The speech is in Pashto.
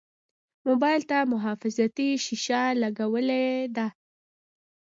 موبایل ته محافظتي شیشه لګولې ده.